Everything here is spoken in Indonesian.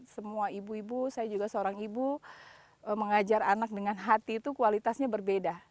semua ibu ibu saya juga seorang ibu mengajar anak dengan hati itu kualitasnya berbeda